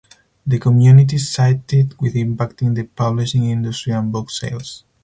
The community cited with impacting the publishing industry and book sales.